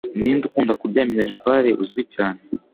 Ninde ukunda kurya minerval uzwi cyane?